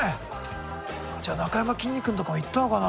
じゃあなかやまきんに君とかも行ったのかな？